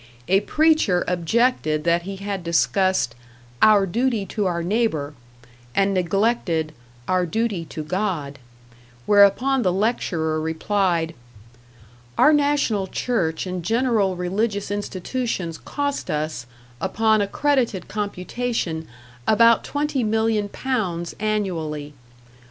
A preacher objected that he had discussed "our duty to our neighbor" and neglected "our duty to God"; whereupon the lecturer replied: "Our national Church and general religious institutions cost us, upon accredited computation, about twenty million pounds annually.